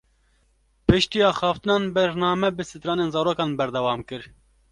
Piştî axaftinan, bername bi stranên zarokan berdewam kir